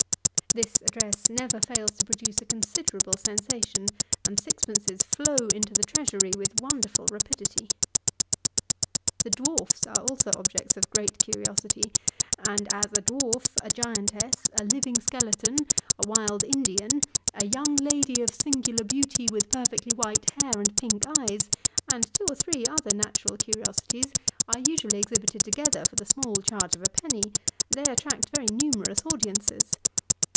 This address never fails to produce a considerable sensation, and sixpences flow into the treasury with wonderful rapidity. The dwarfs are also objects of great curiosity, and as a dwarf, a giantess, a living skeleton, a wild Indian, " a young lady of singular beauty, with perfectly white hair and pink eyes," and two or three other natural curiosities, are usually exhibited together for the small charge of a penny, they attract very numerous audiences.